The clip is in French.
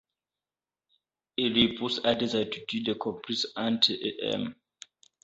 Il y pousse à des altitudes comprises entre et m.